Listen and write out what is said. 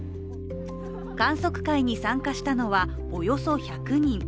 観測会に参加したのは、およそ１００人。